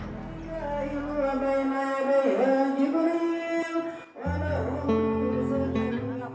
juga kepada pekerja lainnya seperti para penarik gerobak sampah